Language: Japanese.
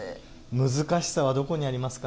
難しさはどこにありますか？